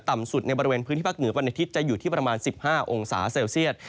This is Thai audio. ต่ำสุดในบริเวณพื้นที่ภาคเหนือวันอาทิตย์จะอยู่ที่ประมาณ๑๕องศาเซลเซียต